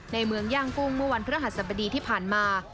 เมืองย่างกุ้งเมื่อวันพระหัสบดีที่ผ่านมา